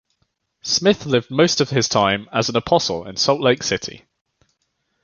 Smith lived most of his time as an apostle in Salt Lake City.